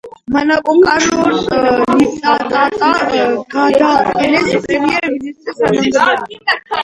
მანოპაკორნ ნიტიტადა გადააყენეს პრემიერ-მინისტრის თანამდებობიდან.